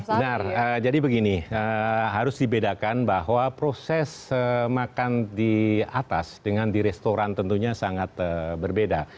benar jadi begini harus dibedakan bahwa proses makan di atas dengan di restoran tentunya sangat berbeda